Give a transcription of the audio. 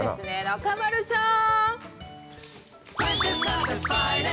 中丸さん！